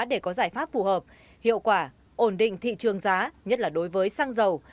để có giải pháp phù hợp hiệu quả ổn định thị trường giá nhất là đối với xăng dầu